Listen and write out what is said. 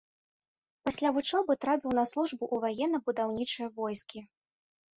Пасля вучобы трапіў на службу ў ваенна-будаўнічыя войскі.